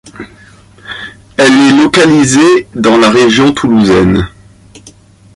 Elle est localisée dans la région toulousaine.